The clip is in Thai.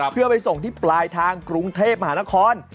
เพื่อไปส่งที่ปลายทางกรุงเทพมหานคร